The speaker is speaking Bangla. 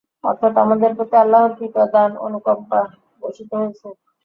অর্থাৎ আমাদের প্রতি আল্লাহর কৃপা, দান, অনুকম্পা বর্ষিত হয়েছে।